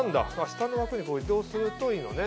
下の枠に移動するといいのね。